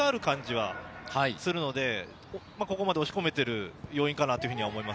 かつ余裕がある感じがするので、ここまで押し込めてる要因かなと思います。